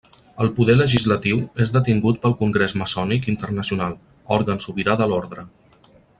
El poder legislatiu és detingut pel Congrés Maçònic Internacional, òrgan sobirà de l'ordre.